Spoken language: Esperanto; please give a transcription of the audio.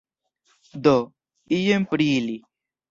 Do, jen pri ili.